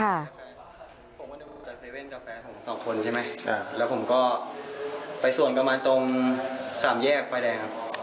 กับแฟนผมสองคนใช่ไหมอ่าแล้วผมก็ไปส่วนกับมันตรงสามแยกฝ่ายแดงครับ